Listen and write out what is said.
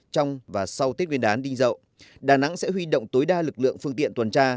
trong và sau tết nguyên đán đi dậu đà nẵng sẽ huy động tối đa lực lượng phương tiện tuần tra